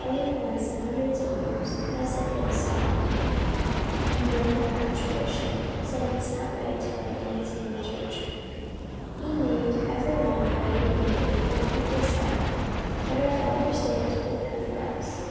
Only once in hundreds of years has it been stopped, and then an archbishop said it was not right to Easter in Sevilla 73 have dancing in church. He made every one very angry, for the people said, ' What our fathers did is good enough for us